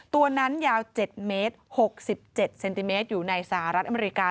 ตัวนั้นยาว๗เมตร๖๗เซนติเมตรอยู่ในสหรัฐอเมริกา